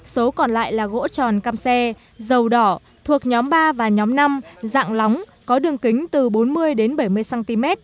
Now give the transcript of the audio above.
số còn lại là gỗ tròn cam xe dầu đỏ thuộc nhóm ba và nhóm năm dạng lóng có đường kính từ bốn mươi đến bảy mươi cm